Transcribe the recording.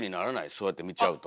そうやって見ちゃうと。